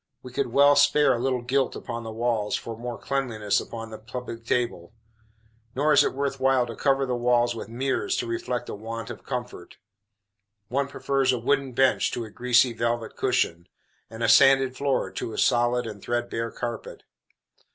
We could well spare a little gilt upon the walls, for more cleanliness upon the public table; nor is it worth while to cover the walls with mirrors to reflect a want of comfort. One prefers a wooden bench to a greasy velvet cushion, and a sanded floor to a soiled and threadbare carpet.